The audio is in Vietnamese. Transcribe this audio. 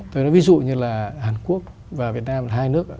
tôi nói ví dụ như là hàn quốc và việt nam là hai nước